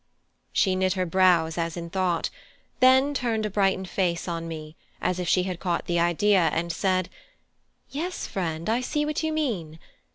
She knit her brows as in thought; then turned a brightened face on me, as if she had caught the idea, and said: "Yes, friend, I see what you mean.